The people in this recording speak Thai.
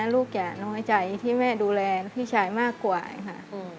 ลูกจะน้อยใจที่แม่ดูแลพี่ชายมากกว่าค่ะ